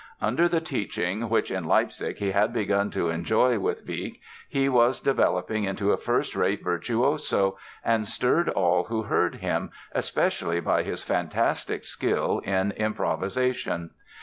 Under the teaching which, in Leipzig, he had begun to enjoy with Wieck he was developing into a first rate virtuoso and stirred all who heard him, especially by his fantastic skill in improvisation.